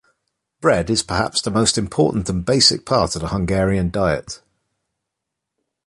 Bread is perhaps the most important and basic part of the Hungarian diet.